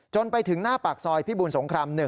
ไปถึงหน้าปากซอยพิบูรสงคราม๑